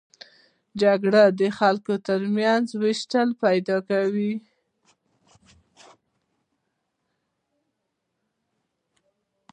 جګړه د خلکو تر منځ وېش پیدا کوي